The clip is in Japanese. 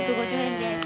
１５０円です。